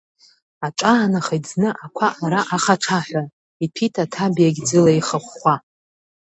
Аҿаанахеит зны ақәа ара ахаҽаҳәа, иҭәит аҭабиагь ӡыла ихыхәхәа.